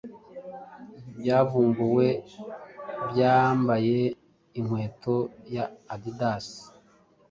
byavumbuwe byambaye inkweto ya Adidas